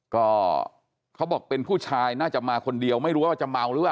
ก็เขาบอกเป็นผู้ชายน่าจะมาคนเดียวไม่รู้ว่าจะเมาหรือเปล่า